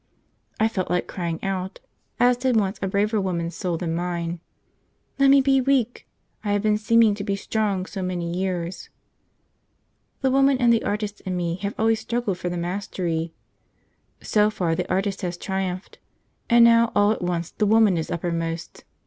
I felt like crying out, as did once a braver woman's soul than mine, 'Let me be weak! I have been seeming to be strong so many years!' The woman and the artist in me have always struggled for the mastery. So far the artist has triumphed, and now all at once the woman is uppermost.